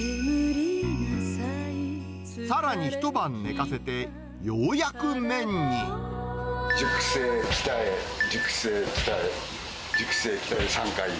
さらに、一晩寝かせて、ようやく熟成、鍛え、熟成、鍛え、熟成、鍛え、３回。